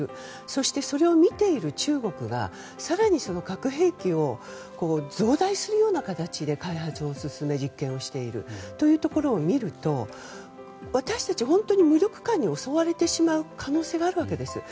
そして、それを見ている中国が更に核兵器を増大するような形で開発を進め実験をしているというところを見ると私たち、本当に無力感に襲われてしまう可能性があるわけです。